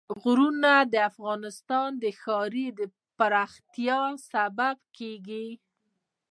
غرونه د افغانستان د ښاري پراختیا سبب کېږي.